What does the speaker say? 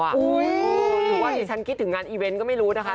หรือว่าดิฉันคิดถึงงานอีเวนต์ก็ไม่รู้นะคะ